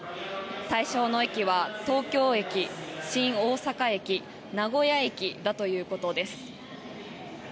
対象の駅は東京駅、新大阪駅名古屋駅だということです。